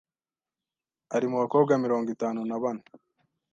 ari mu bakobwa mirongo itanu nabane